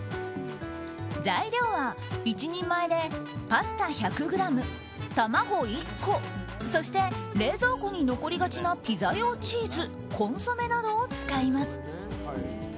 材料は１人前でパスタ１００ｇ卵１個そして、冷蔵庫に残りがちなピザ用チーズコンソメなどを使います。